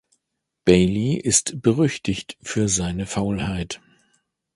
Bailey ist berüchtigt für seine Faulheit.